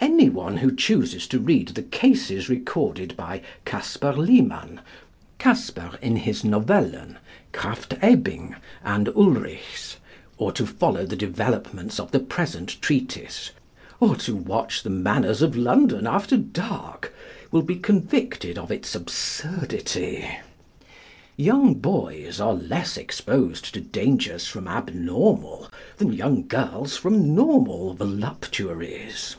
Anyone who chooses to read the cases recorded by Casper Liman, Casper in his Novellen, Krafft Ebing, and Ulrichs, or to follow the developments of the present treatise, or to watch the manners of London after dark, will be convicted of its absurdity. Young boys are less exposed to dangers from abnormal than young girls from normal voluptuaries.